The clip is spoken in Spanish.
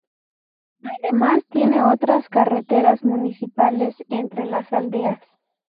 Además tiene otras carreteras municipales entre las aldeas.